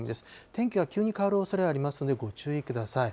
天気が急に変わるおそれがありますので、ご注意ください。